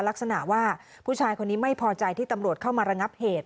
ลักษณะว่าผู้ชายคนนี้ไม่พอใจที่ตำรวจเข้ามาระงับเหตุ